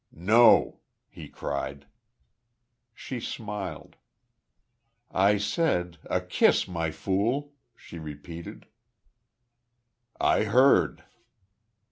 "No," he cried. She smiled. "I said, 'A kiss, My Fool!'" she repeated. "I heard."